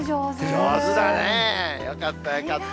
上手だねえ、よかったよかった。